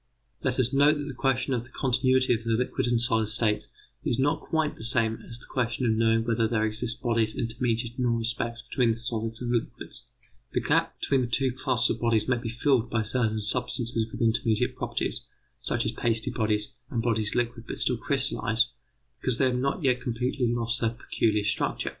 Let us note that the question of the continuity of the liquid and solid states is not quite the same as the question of knowing whether there exist bodies intermediate in all respects between the solids and liquids. These two problems are often wrongly confused. The gap between the two classes of bodies may be filled by certain substances with intermediate properties, such as pasty bodies and bodies liquid but still crystallized, because they have not yet completely lost their peculiar structure.